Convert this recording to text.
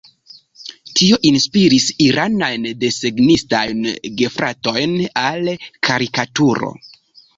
Tio inspiris iranajn desegnistajn gefratojn al karikaturo.